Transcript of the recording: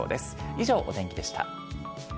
以上、お天気でした。